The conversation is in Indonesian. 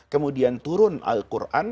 kemudian turun al quran